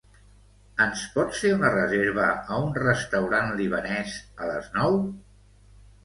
Ens pots fer una reserva a un restaurant libanès a les nou?